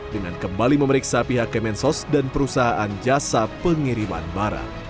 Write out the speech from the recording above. dengan kembali memeriksa pihak kemensos dan perusahaan jasa pengiriman barang